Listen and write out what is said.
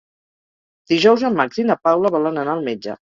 Dijous en Max i na Paula volen anar al metge.